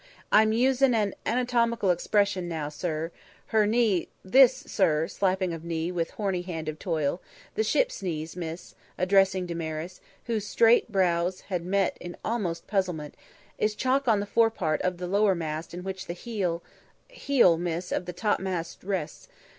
I'm usin' a an anatomical expression now, sir her knee this, sir" slapping of knee with horny hand of toil "The ship's knees, miss," addressing Damaris, whose straight brows had almost met in puzzlement, "is a chock on the forepart of the lowermast on which the 'eel heel, miss, of the topmast rests.